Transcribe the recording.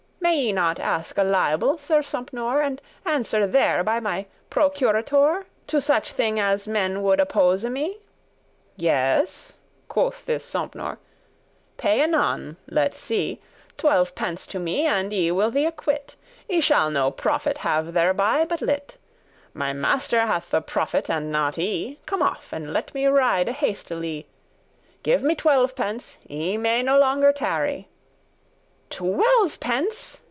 May I not ask a libel, Sir Sompnour, And answer there by my procuratour To such thing as men would appose* me?" *accuse "Yes," quoth this Sompnour, "pay anon, let see, Twelvepence to me, and I will thee acquit. I shall no profit have thereby but lit:* *little My master hath the profit and not I. Come off, and let me ride hastily; Give me twelvepence, I may no longer tarry." "Twelvepence!"